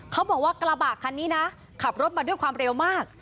เขาบอกว่ากระบะคันนี้นะขับรถมาด้วยความเร็วมาก